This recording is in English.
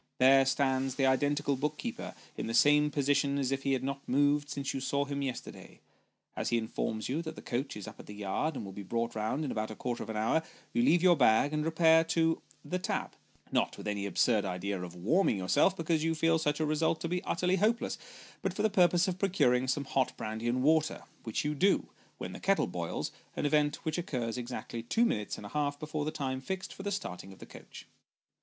There stands the identical book keeper in the same position as if he had not moved since you saw him yesterday. As he informs you, that the coach is up the yard, and will be brought round in about a quarter of an hour, you leave your bag, and repair to " The Tap " not with any absurd idea of warming yourself, because you feel such a result to be utterly hopeless, but for the purpose of procuring some hot brandy and water, which you do, when the kettle boils ! an event which occurs exactly two minutes and a half before the time fixed for the starting of the coach.